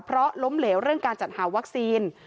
เพราะล้มเหลวเรื่องการจัดหาวัคซีน